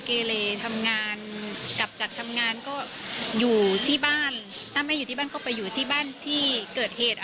เกเลทำงานกลับจากทำงานก็อยู่ที่บ้านถ้าไม่อยู่ที่บ้านก็ไปอยู่ที่บ้านที่เกิดเหตุ